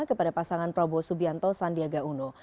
kepada pasangan prabowo subianto sandiaga uno